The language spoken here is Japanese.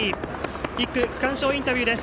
１区区間賞インタビューです。